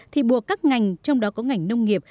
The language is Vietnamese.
thì buộc các ngành trong đó có ngành nông nghiệp